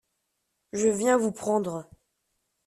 Je viens vous prendre.